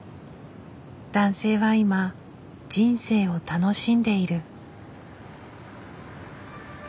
男性は今人生を楽しんでいる。